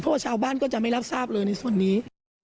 เพราะว่าชาวบ้านก็จะไม่รับทราบเลยในส่วนนี้